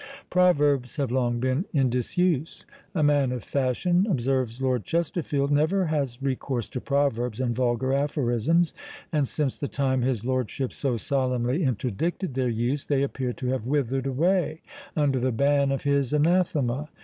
Proverbs have long been in disuse. "A man of fashion," observes Lord Chesterfield, "never has recourse to proverbs and vulgar aphorisms;" and, since the time his lordship so solemnly interdicted their use, they appear to have withered away under the ban of his anathema.